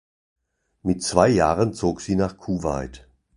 Mit zwei Jahren zog sie nach Kuwait.